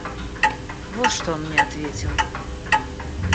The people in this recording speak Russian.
Вот что он мне ответил.